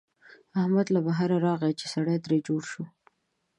احمد له بهر چې راغی، سړی ترې جوړ شوی.